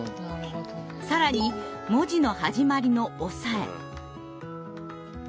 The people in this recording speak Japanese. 更に文字の始まりの「おさえ」。